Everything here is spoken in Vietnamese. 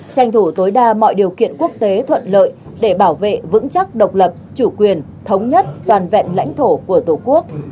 tranh thủ tối đa mọi điều kiện quốc tế thuận lợi để bảo vệ vững chắc độc lập chủ quyền thống nhất toàn vẹn lãnh thổ của tổ quốc